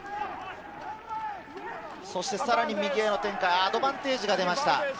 さらに右への展開、アドバンテージが出ました。